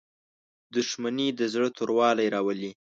• دښمني د زړه توروالی راولي.